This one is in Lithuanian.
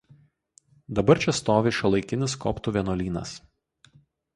Dabar čia stovi šiuolaikinis koptų vienuolynas.